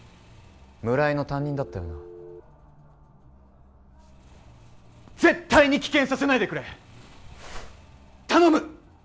村井の担任だったよな絶対に棄権させないでくれ頼む！